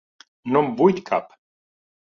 No en vull cap!